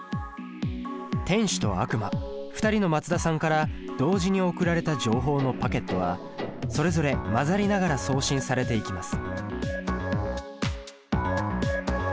天使と悪魔２人の松田さんから同時に送られた情報のパケットはそれぞれ混ざりながら送信されていきます。